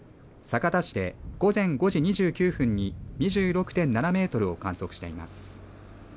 酒田市で午前５時２９分に２６．７メートルを観測しています。